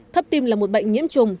thấp tim là một bệnh nhiễm trùng